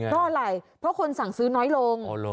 เพราะอะไรเพราะคนสั่งซื้อน้อยลง